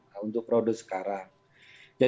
kan beliau juga dikatakan